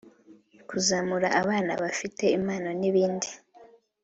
kuzamura abana bafite impano n’ibindi